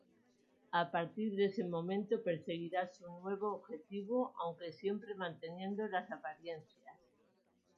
A partir de ese momento, perseguirá su nuevo objetivo, aunque siempre manteniendo las apariencias.